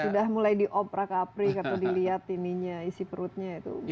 sudah mulai di opera capri kalau dilihat ininya isi perutnya itu